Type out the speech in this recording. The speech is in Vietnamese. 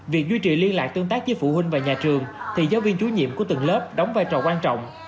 việc duy trì liên lạc tương tác với phụ huynh và nhà trường thì giáo viên chủ nhiệm của từng lớp đóng vai trò quan trọng